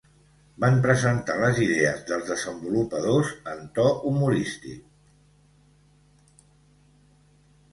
Van presentar les idees dels desenvolupadors en to humorístic.